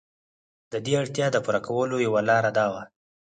د دې اړتیا د پوره کولو یوه لار دا وه.